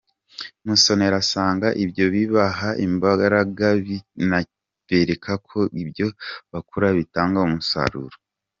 Musonera asanga ibyo bibaha imbaraga bikanabereka ko ibyo bakora bitanga umusaruro.